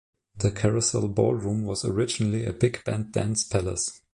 The Carousel Ballroom was originally a big band dance palace.